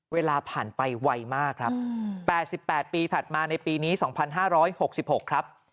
เวลาผ่านไปไวมากครับ๘๘ปีถัดมาในปีนี้๒๕๖๖ครับ